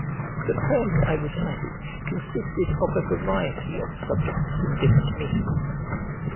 The poems I recited consisted of a variety of subjects in different metres.